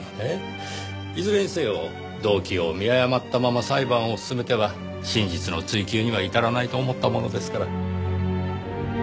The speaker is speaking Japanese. いずれにせよ動機を見誤ったまま裁判を進めては真実の追究には至らないと思ったものですから。